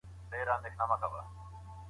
تاسي باید په ژوند کي له حقه دفاع وکړئ.